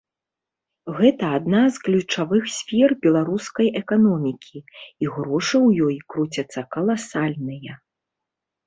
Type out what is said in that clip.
Гэта адна з ключавых сфер беларускай эканомікі, і грошы ў ёй круцяцца каласальныя.